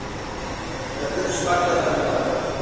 ده د تشريفاتو پر ځای ساده تګ راتګ غوره کړ.